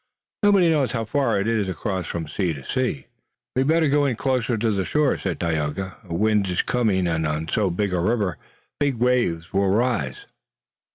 Nobody knows how far it is across from sea to sea." "We better go in closer to the shore," said Tayoga. "A wind is coming and on so big a river big waves will rise."